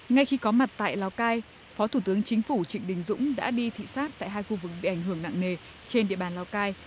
ngay khi có mặt tại lào cai phó thủ tướng chính phủ trịnh đình dũng đã đi thị xát tại hai khu vực bị ảnh hưởng nặng nề trên địa bàn lào cai